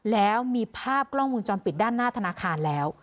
แล้วมีภาพกล้องวงจรปิดด้านหน้าธนาคารแล้ว